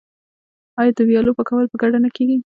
آیا د ویالو پاکول په ګډه نه کیږي؟